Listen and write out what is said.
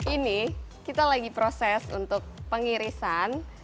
ini kita lagi proses untuk pengirisan